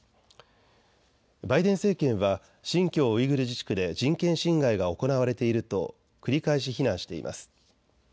バイデン政権は新疆ウイグル自治区で人権侵害が行われていると繰り返し非難しています。